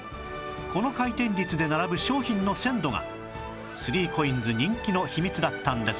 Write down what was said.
この回転率で並ぶ商品の鮮度が ３ＣＯＩＮＳ 人気の秘密だったんです